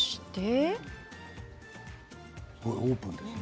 オープンですね。